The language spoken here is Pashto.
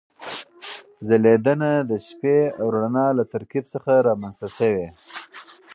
ځلېدنه د شپې او رڼا له ترکیب څخه رامنځته شوې.